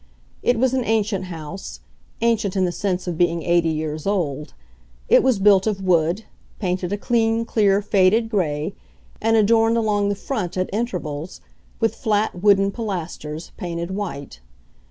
It was an ancient house—ancient in the sense of being eighty years old; it was built of wood, painted a clean, clear, faded gray, and adorned along the front, at intervals, with flat wooden pilasters, painted white.